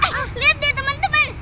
eh lihat deh teman teman